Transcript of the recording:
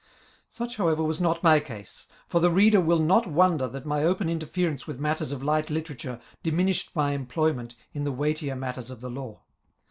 Such, however, was not my case ; for the reader will not wonder that my open interference with matters of light literature diminished my employment in the weightier matters of the law.